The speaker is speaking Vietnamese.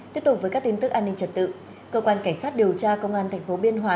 tiếp tục với các tin tức an ninh trật tự cơ quan cảnh sát điều tra công an tp biên hòa